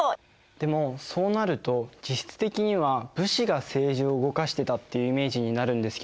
でもそうなると実質的には武士が政治を動かしてたっていうイメージになるんですけど。